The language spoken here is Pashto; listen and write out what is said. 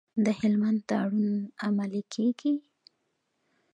د هلمند تړون عملي کیږي؟